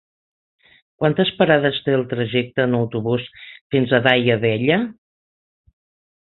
Quantes parades té el trajecte en autobús fins a Daia Vella?